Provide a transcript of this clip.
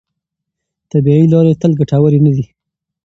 طبیعي لارې تل ګټورې نه دي.